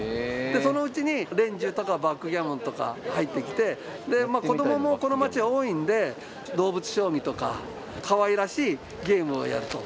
でそのうちに連珠とかバックギャモンとか入ってきてで子供もこの街は多いんでどうぶつしょうぎとかかわいらしいゲームをやると。